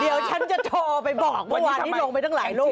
เดี๋ยวฉันจะโทรไปบอกเมื่อวานนี้ลงไปตั้งหลายรูป